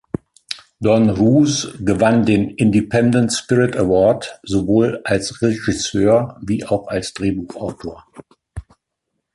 Don Roos gewann den Independent Spirit Award sowohl als Regisseur wie auch als Drehbuchautor.